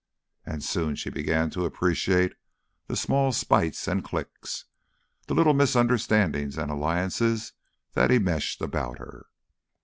And soon she began to appreciate the small spites and cliques, the little misunderstandings and alliances that enmeshed about her.